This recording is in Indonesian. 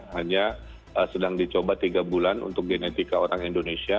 hanya sedang dicoba tiga bulan untuk genetika orang indonesia